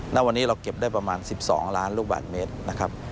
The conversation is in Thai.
ณวันนี้เราเก็บได้ประมาณ๑๒ล้านลูกบาทเมตรนะครับ